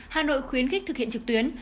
hà nội khuyến khích thực hiện trực tuyến